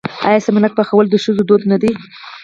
آیا سمنک پخول د ښځو دود نه دی؟